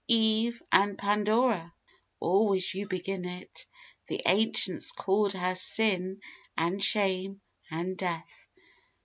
Eve and Pandora! always you begin it The ancients called her Sin and Shame and Death.